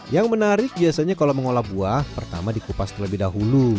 yang menarik biasanya kalau mengolah buah pertama dikupas terlebih dahulu